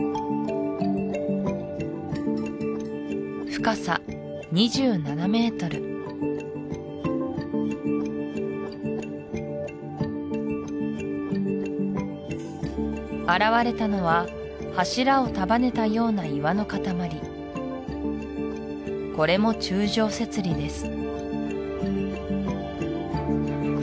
深さ２７ｍ現れたのは柱を束ねたような岩の塊これも柱状節理です